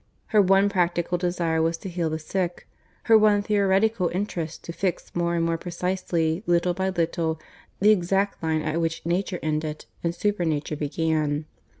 Her one practical desire was to heal the sick; her one theoretical interest to fix more and more precisely, little by little, the exact line at which nature ended and supernature began.